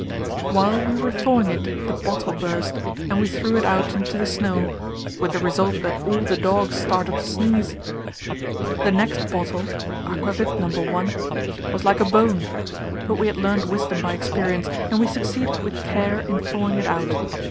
While we were thawing it the bottle burst, and we threw it out into the snow, with the result that all the dogs started to sneeze. The next bottle "Aquavit, No. 1" was like a bone, but we had learnt wisdom by experience, and we succeeded with care in thawing it out.